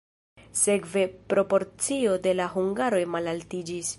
Sekve proporcio de la hungaroj malaltiĝis.